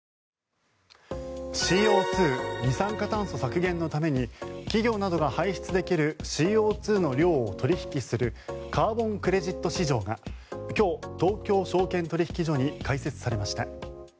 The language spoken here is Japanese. ＣＯ２・二酸化炭素の削減のために企業などが排出できるＣＯ２の量を取引するカーボン・クレジット市場が今日、東京証券取引所に開設されました。